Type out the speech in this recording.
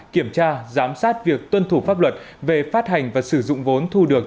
kiểm tra giám sát việc tuân thủ pháp luật về phát hành và sử dụng vốn thu được